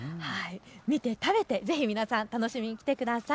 見て食べて、ぜひ皆さん、楽しみに来てください。